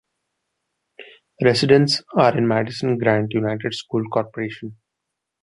Residents are in the Madison-Grant United School Corporation.